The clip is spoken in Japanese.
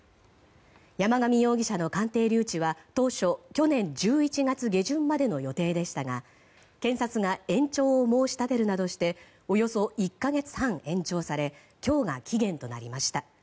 山上容疑者の鑑定留置は当初、去年１１月下旬までの予定でしたが検察が延長を申し立てるなどしておよそ１か月半、延長され今日が期限となりました。